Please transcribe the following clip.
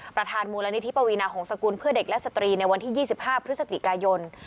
ประธานมูลนิธิปวีนาหงษกุลเพื่อเด็กและสตรีในวันที่๒๕พฤศจิกายน